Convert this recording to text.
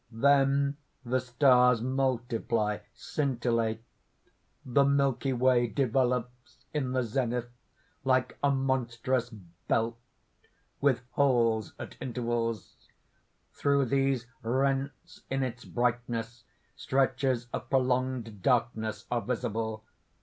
(_Then the stars multiply, scintillate. The Milky Way develops in the zenith like a monstrous belt, with holes at intervals; through these rents in its brightness stretches of prolonged darkness are visible.